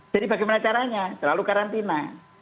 jadi bagaimana caranya selalu karantina